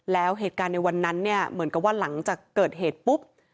แล้วเหตุการณ์ในวันนั้นเนี่ยเหมือนกับว่าหลังจากเกิดเหตุปุ๊บ